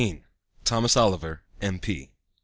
THOMAS OLIVER, M.P.